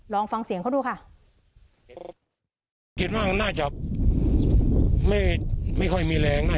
ลองฟังเสียงเขาดูค่ะคิดว่าน่าจะไม่ไม่ค่อยมีแรงนะ